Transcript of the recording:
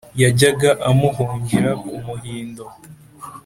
Yajyaga amuhungira ku muhindo.